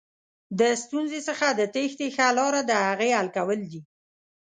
د ستونزې څخه د تېښتې ښه لاره دهغې حل کول دي.